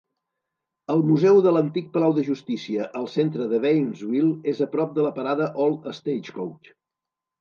El Museu de l'Antic Palau de Justícia al centre de Waynesville és a prop de la parada Old Stagecoach.